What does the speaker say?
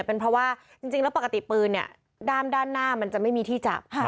เป็นเพราะว่าจริงแล้วปกติปืนเนี่ยด้ามด้านหน้ามันจะไม่มีที่จับ